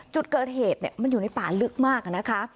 จุดเกิดเหตุมันอยู่ในป่าลึกมากนะคะ